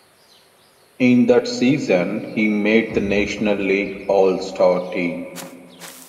In that season, he made the National League All-Star team.